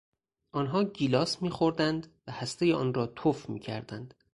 آنها گیلاس میخوردند و هستهی آن را تف میکردند.